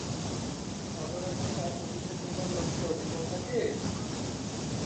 অধরা কি তার প্রতিশোধ নেবার লক্ষ্যে অবিচল থাকে।